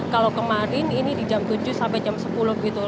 kalau kemarin ini di jam tujuh sampai jam sepuluh gitu